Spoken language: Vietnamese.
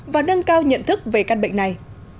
và nâng cao nhận thức về các bệnh này